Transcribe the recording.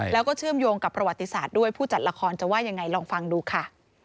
แล้วก็เชื่อมโยงกับประวัติศาสตร์ด้วยผู้จัดละครจะว่ายังไงลองฟังดูค่ะ